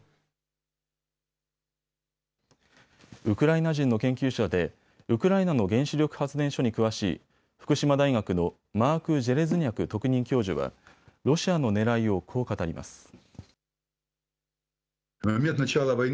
ウクライナ人の研究者でウクライナの原子力発電所に詳しい福島大学のマーク・ジェレズニャク特任教授はロシアのねらいをこう語ります。